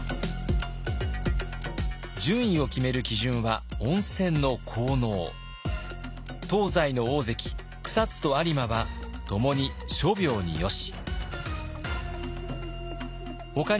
順位を決める基準は東西の大関草津と有馬はともに「諸病によし」。